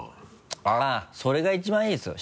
あっそれが一番いいですよ